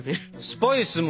スパイスも。